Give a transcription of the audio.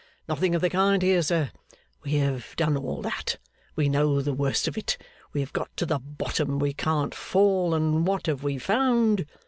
Nothing of the kind here, sir. We have done all that we know the worst of it; we have got to the bottom, we can't fall, and what have we found?